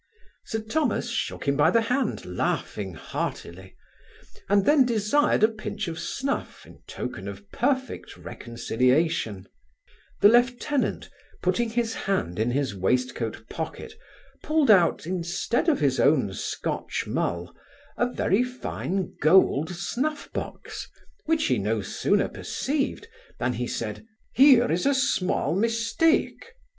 Sir Thomas shook him by the hand, laughing heartily; and then desired a pinch of snuff, in token of perfect reconciliation The lieutenant, putting his hand in his waistcoat pocket, pulled out, instead of his own Scotch mull, a very fine gold snuff box, which he no sooner perceived than he said, 'Here is a small mistake.